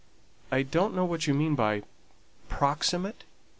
"I don't know what you mean by 'proximate.'"